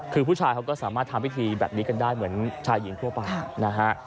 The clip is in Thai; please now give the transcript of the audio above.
คือผู้ชายเขาก็สามารถทำพิธีแบบนี้กันได้เหมือนชายหญิงทั่วไปนะฮะ